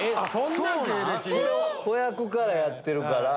なん⁉子役からやってるから。